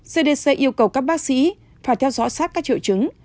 cdc yêu cầu các bác sĩ phải theo dõi sát các triệu chứng